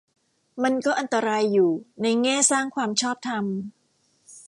มันก็อันตรายอยู่ ในแง่สร้างความชอบธรรม